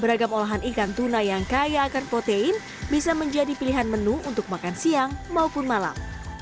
beragam olahan ikan tuna yang kaya akan protein bisa menjadi pilihan menu untuk makan siang maupun malam